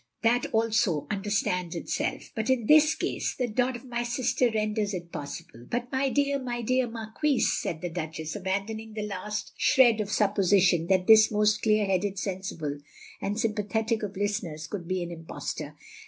That, also, understands itself. But in this case — ^the dot of my sister renders it possible " "But my dear — ^my dear Marquise," said the Duchess, abandoning the last shred of supposition that this most clear headed, sensible, and sym pathetic of listeners could be an impostor.